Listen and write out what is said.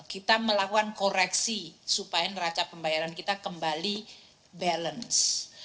kita melakukan koreksi supaya neraca pembayaran kita kembali balance